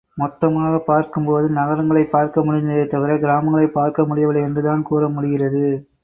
மொத்தமாகப் பார்க்கும்போது நகரங்களைப் பார்க்க முடிந்ததே தவிர கிராமங்களைப் பார்க்க முடியவில்லை என்றுதான் கூற முடிகிறது.